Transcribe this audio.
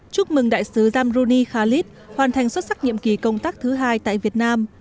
chúc mừng đại sứ zamruni khalid hoàn thành xuất sắc nhiệm kỳ công tác thứ hai tại việt nam